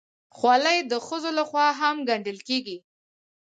خولۍ د ښځو لخوا هم ګنډل کېږي.